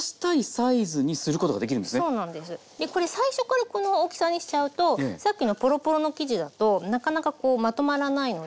これ最初からこの大きさにしちゃうとさっきのポロポロの生地だとなかなかこうまとまらないので。